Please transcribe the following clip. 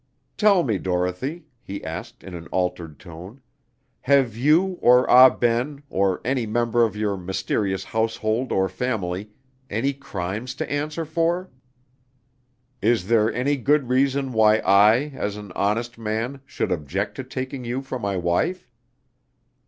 "Tell me, Dorothy," he asked, in an altered tone, "have you, or Ah Ben, or any member of your mysterious household or family, any crimes to answer for? Is there any good reason why I, as an honest man, should object to taking you for my wife?"